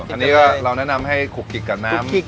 อันนี้ก็เราแนะนำให้ขุกจิกกับน้ำ